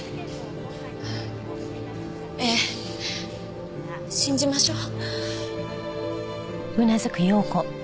ええ信じましょう。